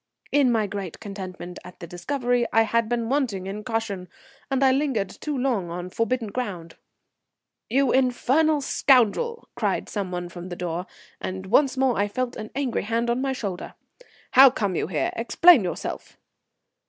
In my great contentment at the discovery I had been wanting in caution, and I lingered too long on forbidden ground. "You infernal scoundrel," cried some one from the door, and once more I felt an angry hand on my shoulder. "How come you here? Explain yourself."